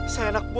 saya anak buah